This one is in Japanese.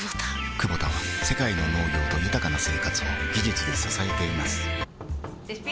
クボタは世界の農業と豊かな生活を技術で支えています起きて。